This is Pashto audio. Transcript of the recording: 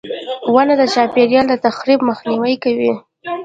• ونه د چاپېریال د تخریب مخنیوی کوي.